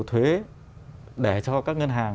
thuế để cho các ngân hàng